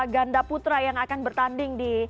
ganda putra yang akan bertanding di